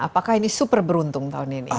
apakah ini super beruntung tahun ini